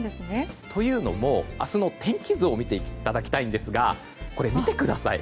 というのも、明日の天気図を見ていただきたいんですが見てください。